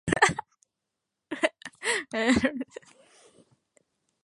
Tọ́lá gba mílíọ̀nù márùn-ún lọ́wọ́ ìjọba.